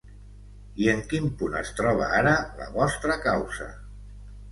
I en quin punt es troba ara la vostra causa?